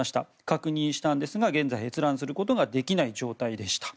確認したんですが現在、閲覧することができない状態でした。